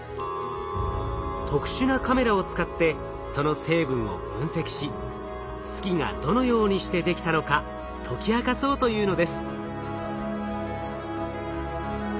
特殊なカメラを使ってその成分を分析し月がどのようにしてできたのか解き明かそうというのです。